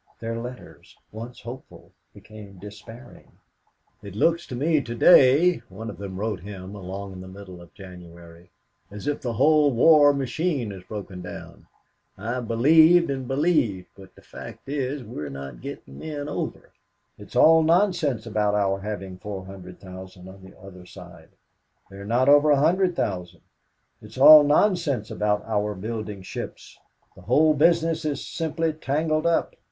Their letters, once hopeful, became despairing. "It looks to me to day," one of them wrote him along in the middle of January, "as if the whole war machine had broken down. I have believed and believed, but the fact is we are not getting men over. It's all nonsense about our having 400,000 on the other side; there are not over 100,000. It's all nonsense about our building ships the whole business is simply tangled up.